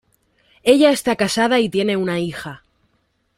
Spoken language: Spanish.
Ella está casada y tiene una hija.